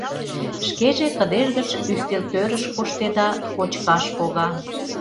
Шкеже кыдеж гыч ӱстелтӧрыш коштеда, кочкаш пога.